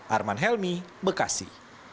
arman helmi bekasi